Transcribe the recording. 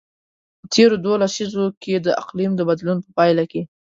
تیرو دوو لسیزو کې د اقلیم د بدلون په پایله کې.